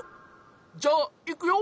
じゃあいくよ。